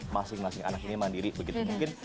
masing masing anak ini mandiri begitu mungkin